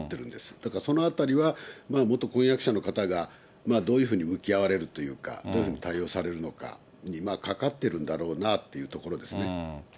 だからそのあたりは、元婚約者の方がどういうふうに向き合われるというか、どういうふうに対応されるのかにかかってるんだろうなというところですね。